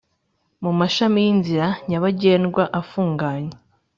mumashami y’inzira nyabagendwa afunganye